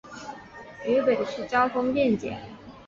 渝北区交通便捷。